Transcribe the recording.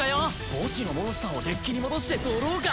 墓地のモンスターをデッキに戻してドローか。